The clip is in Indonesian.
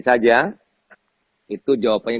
saja itu jawabannya